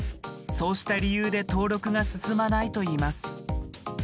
そうした理由で登録が進まないといいます。